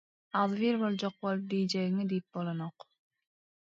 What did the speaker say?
Agzybir boljak bolup diýjegiiňi diýip bolanok